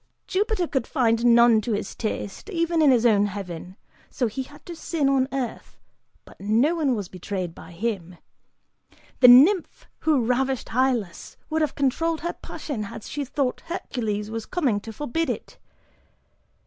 "Jupiter could find none to his taste, even in his own heaven, so he had to sin on earth, but no one was betrayed by him! The nymph who ravished Hylas would have controlled her passion had she thought Hercules was coming to forbid it.